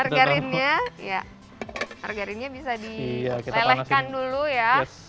hargarinnya bisa dilelehkan dulu ya